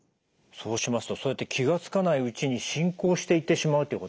そうしますとそうやって気が付かないうちに進行していってしまうということですか。